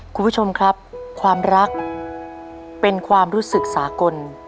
คุณผู้ชมครับความรักเป็นความรู้สึกสากล